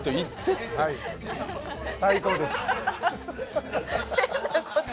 最高です。